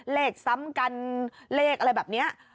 ซ้ำกันเลขอะไรแบบนี้